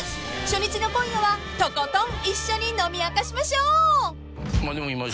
［初日の今夜はとことん一緒に飲み明かしましょう！］